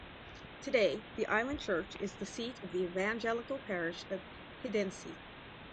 Today the island church is the seat of the Evangelical parish of Hiddensee.